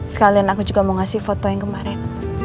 sekalian aku juga mau ngasih foto yang kemarin